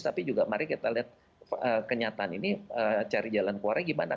tapi juga mari kita lihat kenyataan ini cari jalan keluarnya gimana